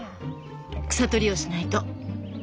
草取りをしないと。